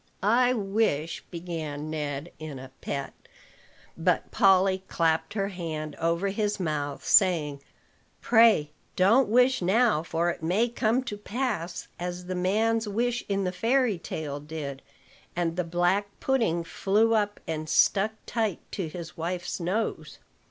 "I wish," began Ned in a pet; but Polly clapped her hand over his mouth, saying: "Pray, don't wish now; for it may come to pass as the man's wish in the fairy tale did, and the black pudding flew up and stuck tight to his wife's nose."